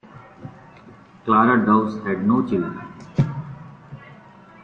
Clara Dawes had no children.